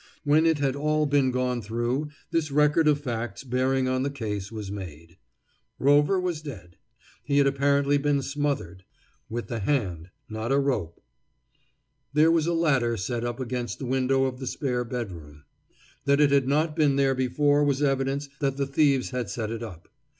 When it had all been gone through, this record of facts bearing on the case was made: Rover was dead. He had apparently been smothered. With the hand, not a rope. There was a ladder set up against the window of the spare bedroom. That it had not been there before was evidence that the thieves had set it up.